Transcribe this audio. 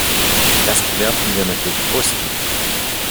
Das bewerten wir natürlich positiv.